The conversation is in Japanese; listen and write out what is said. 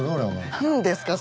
何ですか？